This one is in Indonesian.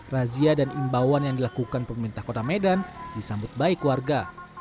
razia dan imbauan yang dilakukan pemerintah kota medan disambut baik warga